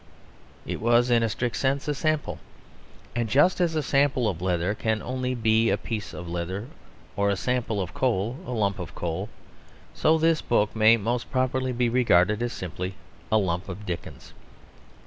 It was in a strict sense a sample. And just as a sample of leather can be only a piece of leather, or a sample of coal a lump of coal, so this book may most properly be regarded as simply a lump of Dickens.